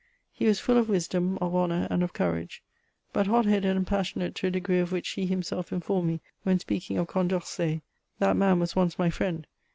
He was full of wisdom, of honour, and of courage ; but hot headed and passionate to a degree of which he himself informed me when speaking of Condorcet :" That man was once my friend.